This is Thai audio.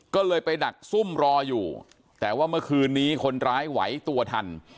ก็เลยไปดักซุ่มรออยู่แต่ว่าเมื่อคืนนี้คนร้ายไหวตัวทัน